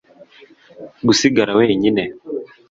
Gusigara wenyine